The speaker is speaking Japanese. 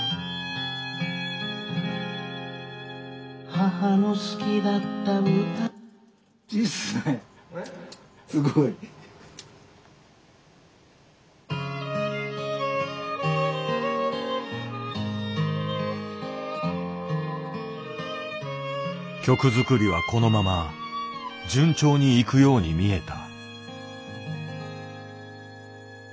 母の好きだった歌曲作りはこのまま順調にいくように見えた。